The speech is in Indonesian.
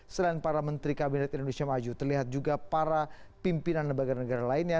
selain para menteri kabinet indonesia maju terlihat juga para pimpinan lembaga negara lainnya